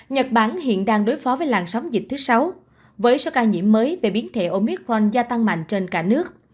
nhật bản hiện đang đối phó với làn sóng dịch thứ sáu với số ca nhiễm mới về biến thể omicron gia tăng mạnh trên cả nước